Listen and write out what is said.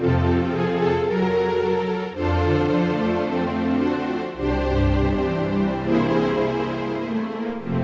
saudara pendengar yang setia